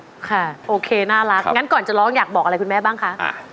ค่ะโอเคน่ารักงั้นก่อนจะร้องอยากบอกอะไรคุณแม่บ้างคะ